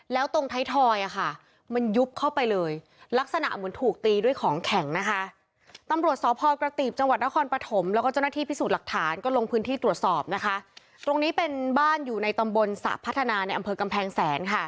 ก็ลงพื้นที่ตรวจสอบนะคะตรงนี้เป็นบ้านอยู่ในตำบลสระพัฒนาในอำเภอกำแพงแสนค่ะ